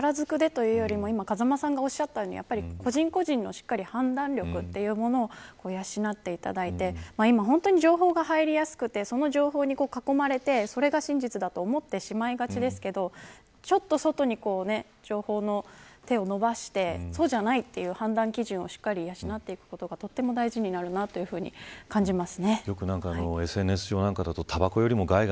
今、風間さんがおっしゃったように個人個人の判断力というものを養っていただいて今、本当に情報が入りやすくてその情報に囲まれてそれが真実だと思ってしまいがちですがちょっと外に情報の手を伸ばしてそうじゃないという判断基準を養っていくことがとても大事になると感じます。